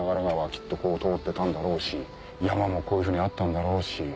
きっとこう通ってたんだろうし山もこういうふうにあったんだろうし。